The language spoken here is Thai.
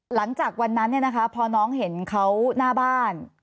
หลังจากวันนั้นพอน้องเห็นเขาหน้าบ้าน